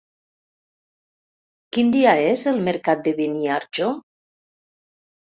Quin dia és el mercat de Beniarjó?